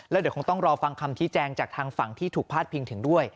แล้วเดี๋ยวคงต้องรอฟังคำชี้แจงจากทางฝั่งที่ถูกพาดพิงถึงด้วย